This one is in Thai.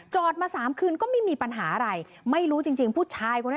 มาสามคืนก็ไม่มีปัญหาอะไรไม่รู้จริงจริงผู้ชายคนนั้น